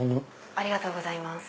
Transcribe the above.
ありがとうございます。